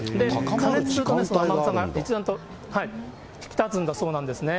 加熱されると一段と引き立つんだそうなんですね。